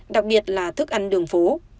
đặc biệt là thức ăn đường phố